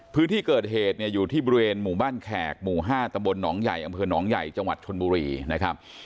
พื้นที่เกิดเหตุเนี่ยอยู่ที่บริเวณหมู่บ้านแขกหมู่๕ตำบลหนองใหญ่อำเภอหนองใหญ่จังหวัดชนบุรีนะครับ